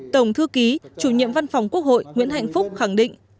tổng thư ký chủ nhiệm văn phòng quốc hội nguyễn hạnh phúc khẳng định